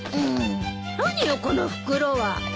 何よこの袋は。